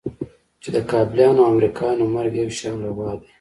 چې د کابليانو او امريکايانو مرګ يو شان روا دى.